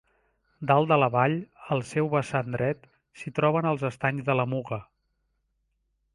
Dalt de la vall, al seu vessant dret, s'hi troben els estanys de la Muga.